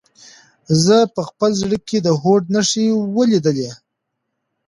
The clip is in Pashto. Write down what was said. ده په خپل زړه کې د هوډ نښې ولیدلې.